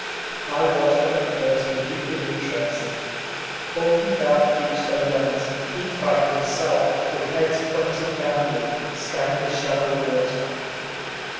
I watched them at first with eager interest. Up and down the beach they went, each by himself, with heads pointed downward, scanning the shallow water.